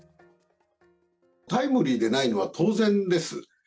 タイムリーでないのは当然です。